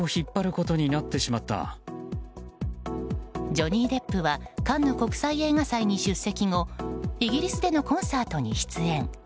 ジョニー・デップはカンヌ国際映画祭に出席後イギリスでのコンサートに出演。